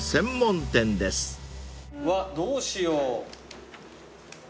うわどうしよう。